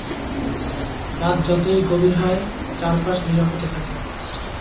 রাত যতই গভীর হয় চারপাশ নীরব হতে থাকে।